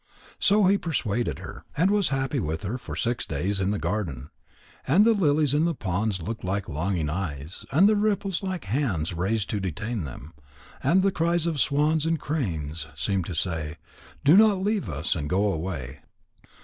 So he persuaded her, and was happy with her for six days in the garden. And the lilies in the ponds looked like longing eyes, and the ripples like hands raised to detain them, and the cries of swans and cranes seemed to say: "Do not leave us and go away."